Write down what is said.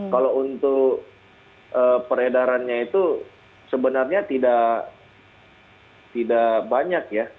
kalau untuk peredarannya itu sebenarnya tidak banyak ya